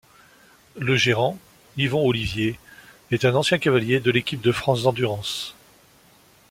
Le gérant, Yvon Ollivier, est un ancien cavalier de l'équipe de France d'endurance.